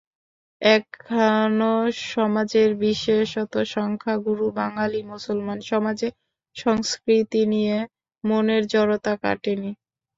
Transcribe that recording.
এখনো সমাজের, বিশেষত সংখ্যাগুরু বাঙালি মুসলমান সমাজের, সংস্কৃতি নিয়ে মনের জড়তা কাটেনি।